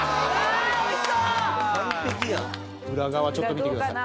裏側ちょっと見てください。